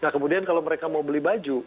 nah kemudian kalau mereka mau beli baju